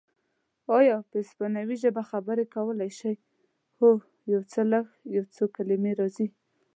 ایا په اسپانوي ژبه خبرې کولای شې؟ هو، یو څه لږ، یو څو کلمې راځي.